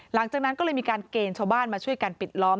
หลังจากนั้นก็เลยมีการเกณฑ์ชาวบ้านมาช่วยกันปิดล้อม